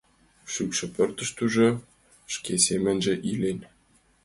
Шӱкшӧ пӧртыштыжӧ шке семынже илен.